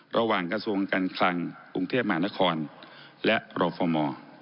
กระทรวงการคลังกรุงเทพมหานครและรฟม